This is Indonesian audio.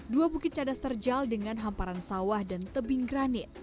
dua bukit cadas terjal dengan hamparan sawah dan tebing granit